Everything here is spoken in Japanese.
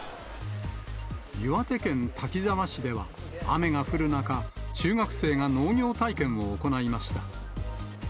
岩手県滝沢市では、雨が降る中、中学生が農業体験を行いました。